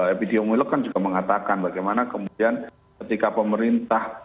epidemiolog kan juga mengatakan bagaimana kemudian ketika pemerintah